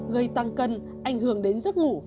gây tăng cân ảnh hưởng đến giấc ngủ và sức khỏe